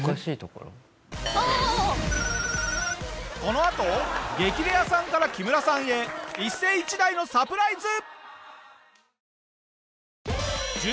このあと『激レアさん』から木村さんへ一世一代のサプライズ！